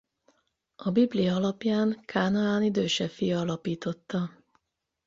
A Biblia alapján Kánaán idősebb fia alapította.